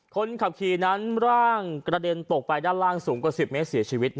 คนขับขี่นั้นร่างกระเด็นตกไปด้านล่างสูงกว่า๑๐เมตรเสียชีวิต